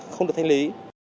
không được thanh lý